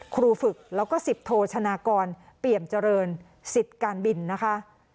ครูฝึกแล้วก็สิบโทชนากรเปี่ยมเจริญสิทธิ์การบินนะคะ